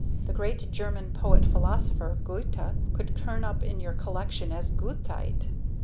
The great German poet philosopher, Goethe, could turn up in your collection as goethite.